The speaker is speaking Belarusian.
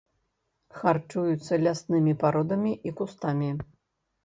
Харчуецца ляснымі пародамі і кустамі.